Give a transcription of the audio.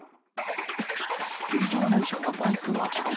軽乗用車がバイク巻き込む。